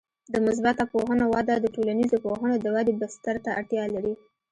د مثبته پوهنو وده د ټولنیزو پوهنو د ودې بستر ته اړتیا لري.